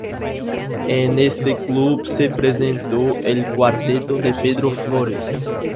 En este club se presentó el cuarteto de Pedro Flores.